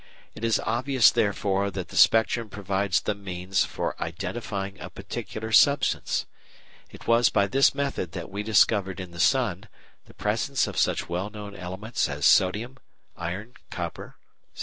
It is obvious, therefore, that the spectrum provides the means for identifying a particular substance._ It was by this method that we discovered in the sun the presence of such well known elements as sodium, iron, copper, zinc, and magnesium.